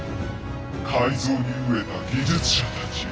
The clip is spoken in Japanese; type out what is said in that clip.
改造に飢えた技術者たちよ